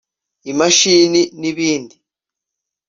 imashini n’ibindi